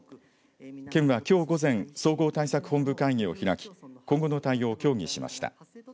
県はきょう午前総合対策本部会議を開き今後の対応を協議しました。